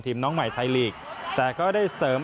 น้องใหม่ไทยลีกแต่ก็ได้เสริม